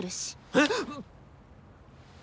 えっ！？